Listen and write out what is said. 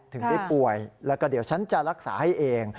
ถึงได้ป่วยแล้วก็เดี๋ยวฉันจะรักษาให้เอง